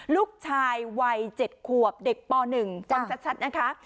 ลูกชายวัย๗ขวบเด็กป๑ฟังชัดนะคะ